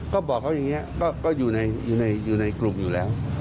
ก็บอกเขาอย่างนี้ก็อยู่ในกลุ่มอยู่แล้ว